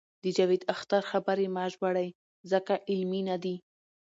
د جاوید اختر خبرې مه ژباړئ ځکه علمي نه دي.